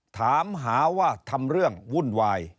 ถามหาว่าทำเรื่องวุ่นวาย